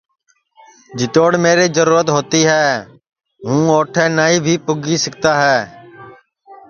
جِتوڑ میری جرورت ہوتی ہے ہوں اوٹھے نائی بھی پُگی سِکتا ہے